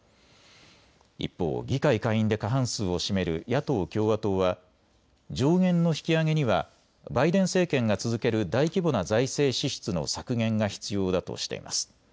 一方、議会下院で過半数を占める野党・共和党は上限の引き上げにはバイデン政権が続ける大規模な財政支出の削減が必要だとしています。